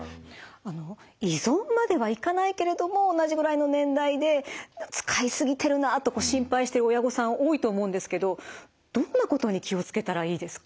あの依存まではいかないけれども同じぐらいの年代で使い過ぎてるなと心配している親御さん多いと思うんですけどどんなことに気を付けたらいいですか？